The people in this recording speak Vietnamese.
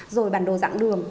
rồi bản đồ dạng đường